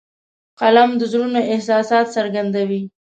قلم د زړونو احساسات څرګندوي